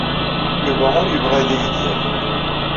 Yuba ur yebɣi ad iyi-d-yerr.